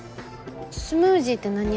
スムージーって何味？